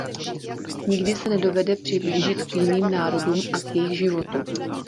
Nikdy se nedovede přiblížit k jiným národům a k jejich životu.